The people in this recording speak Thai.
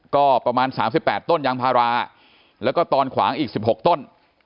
ก็ประมาณ๓๘ต้นยางพาราแล้วก็ตอนขวางอีก๑๖ต้น